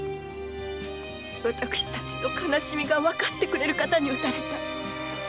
私たちの哀しみがわかってくれる方に討たれたい。